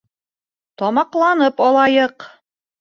Тамаҡланып алайыҡ.